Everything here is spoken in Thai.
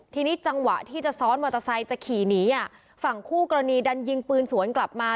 ทีนี้ฝั่งคู่กรณีดันยิงปืนสวนกลับมา